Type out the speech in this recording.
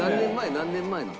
何年前なん？